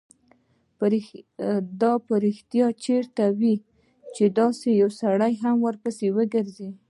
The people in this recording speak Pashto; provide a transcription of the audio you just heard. دا به رښتیا چېرته وي چې دا سړی ورپسې ګرځي.